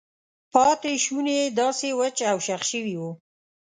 پاتې شونې یې داسې وچ او شخ شوي وو.